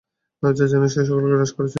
লজ্জা যেন সকলকে গ্রাস করে নিয়েছিল।